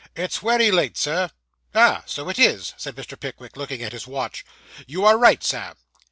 'It's wery late, sir.' 'Ah, so it is,' said Mr. Pickwick, looking at his watch. 'You are right, Sam.